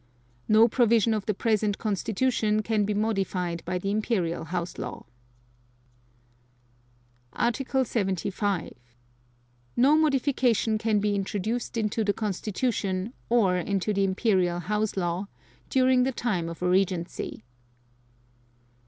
(2) No provision of the present Constitution can be modified by the Imperial House Law. Article 75. No modification can be introduced into the Constitution, or into the Imperial House Law, during the time of a Regency.